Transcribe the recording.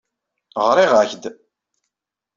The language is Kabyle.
Ɣriɣ-ak-d.